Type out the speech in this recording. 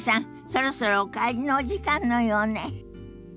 そろそろお帰りのお時間のようね。